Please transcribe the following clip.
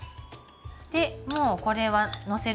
でもうこれはのせる